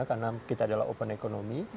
karena kita adalah open economy